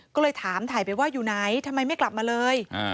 ก็เลยถามถ่ายไปว่าอยู่ไหนทำไมไม่กลับมาเลย